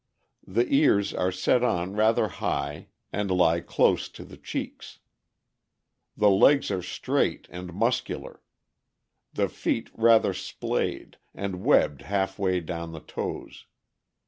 The ears are set on rather high, and lie close to the cheeks. The legs are straight and muscular. The feet rather splayed, and webbed half way down the toes.